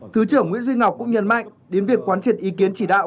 thứ trưởng nguyễn duy ngọc cũng nhấn mạnh đến việc quán triệt ý kiến chỉ đạo